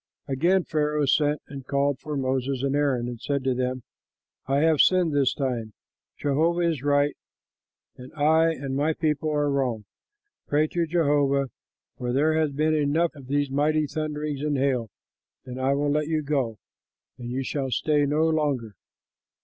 Again Pharaoh sent and called for Moses and Aaron and said to them, "I have sinned this time; Jehovah is right and I and my people are wrong. Pray to Jehovah, for there has been enough of these mighty thunderings and hail, and I will let you go, and you shall stay no longer."